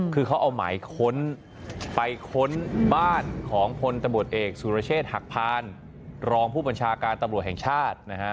คือเขาเอาหมายค้นไปค้นบ้านของพลตำรวจเอกสุรเชษฐหักพานรองผู้บัญชาการตำรวจแห่งชาตินะฮะ